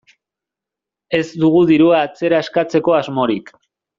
Ez dugu dirua atzera eskatzeko asmorik.